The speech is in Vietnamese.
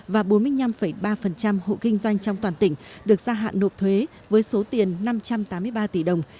và bốn mươi năm ba hộ kinh doanh trong toàn tỉnh được gia hạn nộp thuế với số tiền năm trăm tám mươi ba tỷ đồng